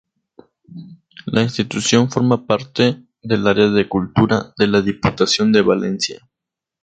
La institución forma parte del área de cultura de la Diputación de Valencia.